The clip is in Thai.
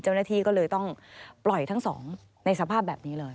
เจ้าหน้าที่ก็เลยต้องปล่อยทั้งสองในสภาพแบบนี้เลย